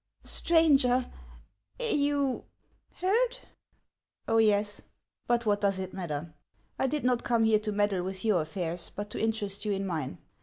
" You — stranger. — you — heard ?"" Oh, yes ! but what does it matter ? I did not come here to meddle with your affairs, but to interest you in mine.